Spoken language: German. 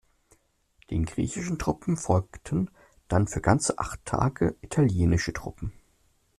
Den griechischen Truppen folgten dann für ganze acht Tage italienische Truppen.